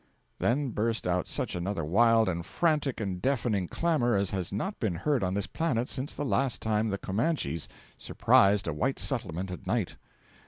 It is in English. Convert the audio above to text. Then burst out such another wild and frantic and deafening clamour as has not been heard on this planet since the last time the Comanches surprised a white settlement at night.